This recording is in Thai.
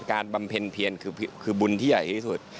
บำเพ็ญเพียรคือบุญที่ใหญ่ที่สุด